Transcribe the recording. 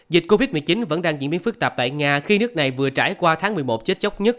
dịch covid một mươi chín vẫn đang diễn biến phức tạp tại nga khi nước này vừa trải qua tháng một mươi một chết chóc nhất